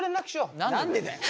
何でだよ。